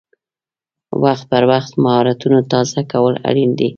وخت پر وخت مهارتونه تازه کول اړین دي.